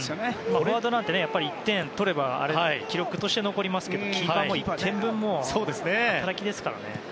フォワードなんて１点取れば、記録として残りますけどキーパーも１点分の働きですからね。